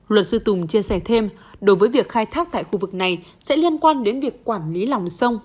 luật sư tùng chia sẻ thêm đối với việc khai thác tại khu vực này sẽ liên quan đến việc quản lý lòng sông